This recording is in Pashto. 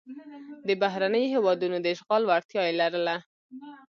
د بهرنیو هېوادونو د اشغال وړتیا یې لرله.